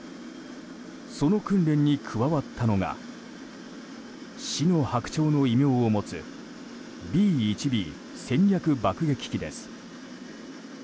その訓練に加わったのが死の白鳥の異名を持つＢ１Ｂ戦略爆撃機です。